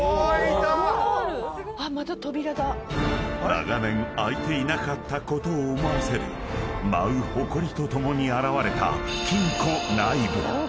［長年開いていなかったことを思わせる舞うほこりと共に現れた金庫内部］